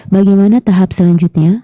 bagaimana tahap selanjutnya